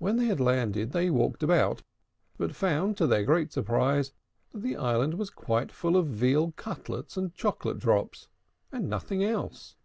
When they had landed, they walked about, but found, to their great surprise, that the island was quite full of veal cutlets and chocolate drops, and nothing else.